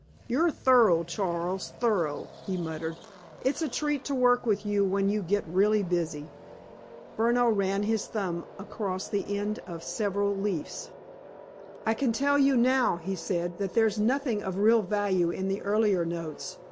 "You're thorough, Charles, thorough!" he murmured. "It's a treat to work with you when you get really busy." Furneaux ran his thumb across the end of several leaves. "I can tell you now," he said, "that there's nothing of real value in the earlier notes.